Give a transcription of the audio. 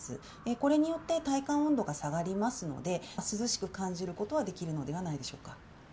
これによって体感温度が下がりますので、涼しく感じることはできるのではないでしょうか。